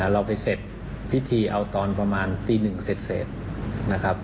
เราไปเสร็จพิธีเอาตอนประมาณตีหนึ่งเสร็จนะครับ